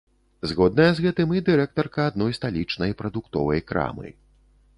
Згодная з гэтым і дырэктарка адной сталічнай прадуктовай крамы.